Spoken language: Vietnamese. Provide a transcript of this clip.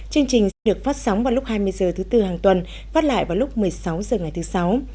chương trình sẽ được phát sóng vào lúc hai mươi h thứ tư hàng tuần phát lại vào lúc một mươi sáu h ngày thứ sáu